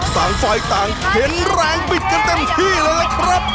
สามฝ่ายต่างเห็นแรงบิดกันเต็มที่แล้วครับ